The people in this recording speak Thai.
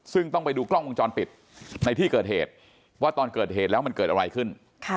ซึ่งต้องไปดูกล้องวงจรปิดในที่เกิดเหตุว่าตอนเกิดเหตุแล้วมันเกิดอะไรขึ้น